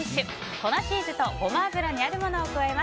粉チーズとゴマ油にあるものを加えます。